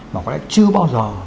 mà có lẽ chưa bao giờ